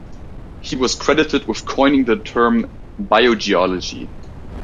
He was credited with coining the term biogeology.